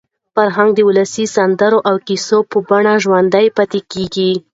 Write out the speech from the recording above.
فرهنګ د ولسي سندرو او کیسو په بڼه ژوندي پاتې کېږي.